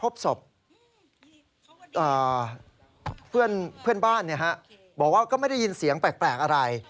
บอกว่าก็ไม่ได้ยินเสียงแปลกอะไร